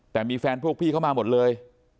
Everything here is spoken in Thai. แต่มีแฟนพวกพี่เข้ามาหมดเลย